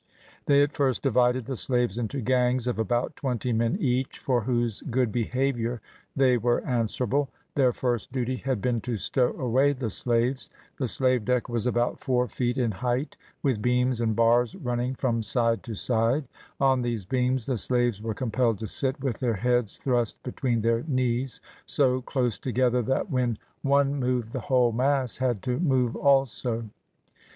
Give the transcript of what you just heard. They at first divided the slaves into gangs of about twenty men each, for whose good behaviour they were answerable; their first duty had been to stow away the slaves. The slave deck was about four feet in height, with beams and bars running from side to side; on these beams the slaves were compelled to sit with their heads thrust between their knees, so close together that when one moved the whole mass had to move also.